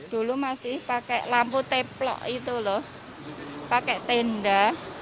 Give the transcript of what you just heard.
dulu masih pakai lampu teplok itu loh pakai tenda